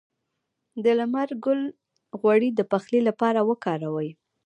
د لمر ګل غوړي د پخلي لپاره وکاروئ